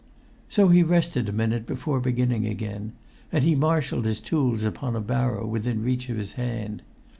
So he rested a minute before beginning again, and he marshalled his tools upon a barrow within reach of his hand.